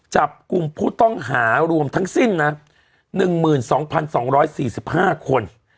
จับกลุ่มผู้ต้องหารวมทั้งสิ้นนะ๑๒๒๔๕คน